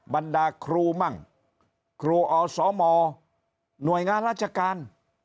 บรรดาครูมั่งครูอสมหน่วยงานราชการ